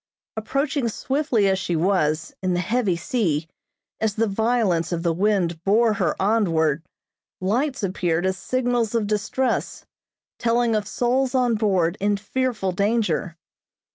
Approaching swiftly as she was, in the heavy sea, as the violence of the wind bore her onward, lights appeared as signals of distress, telling of souls on board in fearful danger.